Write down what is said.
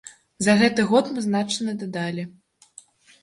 За гэты год мы значна дадалі.